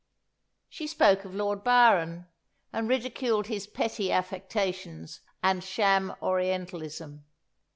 She spoke of Lord Byron, and ridiculed his petty affectations and sham Orientalism.